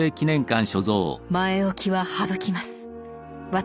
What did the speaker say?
「前おきは省きます。